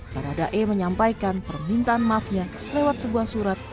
baradae menyampaikan permintaan maafnya lewat sebuah surat